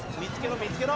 見つけろ！